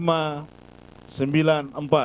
pasalan nomor urut empat